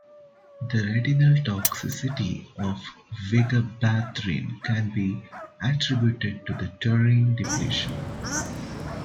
The retinal toxicity of vigabatrin can be attributed to a taurine depletion.